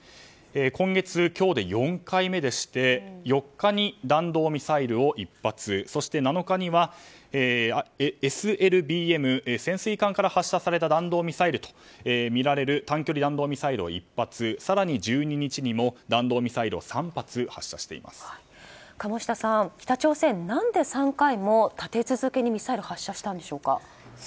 今月、今日で４回目でして４日に弾道ミサイルを１発そして７日にはＳＬＢＭ潜水艦から発射された弾道ミサイルとみられる短距離弾道ミサイルを１発更に、１２日にも弾道ミサイルを鴨下さん、北朝鮮は何で３回も立て続けにミサイルを発射したんでしょうか。